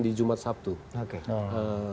di jumat sabtu oke